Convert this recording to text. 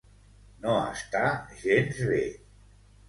No està gens bé.